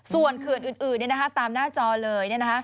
ส่วนเขื่อนอื่นตามหน้าจอเลย